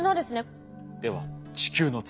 では地球の土。